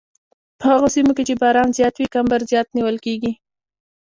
په هغو سیمو کې چې باران زیات وي کمبر زیات نیول کیږي